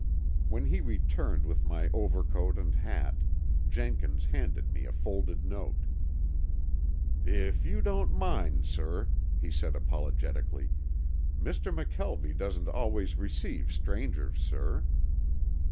When he returned with my overcoat and hat, Jenkins handed me a folded note. "If you don't mind, sir," he said apologetically. "Mr. McKelvie doesn't always receive strangers, sir."